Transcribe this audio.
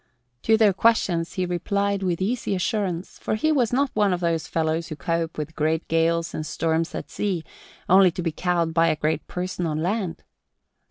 To their questions he replied with easy assurance, for he was not one of those fellows who cope with great gales and storms at sea only to be cowed by a great person on land.